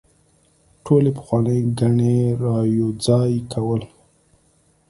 ټولې پخوانۍ ګڼې رايوځاي کول